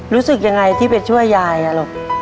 รู้สึกยังไงที่ไปช่วยยายลูก